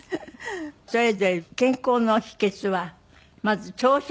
それぞれ健康の秘訣はまず朝食。